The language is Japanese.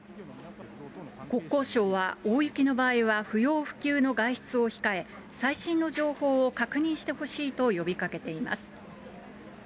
国交省は、大雪の場合は不要不急の外出を控え、最新の情報を確認してほしいと呼びかけています。